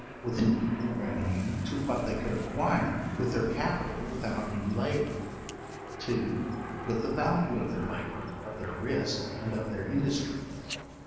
with an equal revenue to what they could acquire with their capital without any labour; 2. with the value of their labour, of their risk, and of their industry.